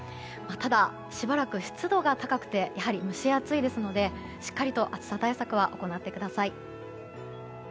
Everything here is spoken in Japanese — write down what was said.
ただ、しばらく湿度が高くて蒸し暑いですのでしっかりと暑さ対策は行ってください。